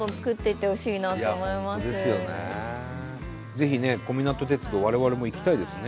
ぜひね小湊鉄道我々も行きたいですね。